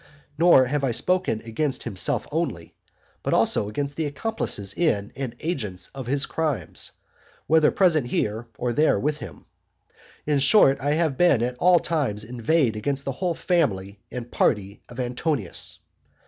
Nor have I spoken against himself only, but also against the accomplices in and agents of his crimes, whether present here, or there with him. In short, I have at all times inveighed against the whole family and party of Antonius.